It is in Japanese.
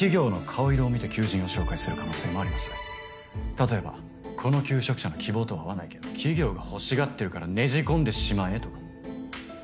例えばこの求職者の希望とは合わないけど企業が欲しがってるからねじ込んでしまえとか。